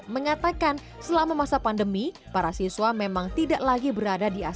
mengatakan selama masa pandemi para siswa memang tidak lagi berada di asrama